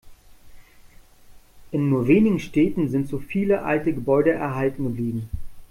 In nur wenigen Städten sind so viele alte Gebäude erhalten geblieben.